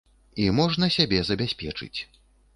І можна сябе забяспечыць.